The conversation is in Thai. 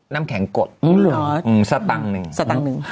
น้ำแข็งกดสตังค์หนึ่ง